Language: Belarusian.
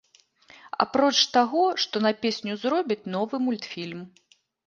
Апроч таго, што на песню зробяць новы мультфільм.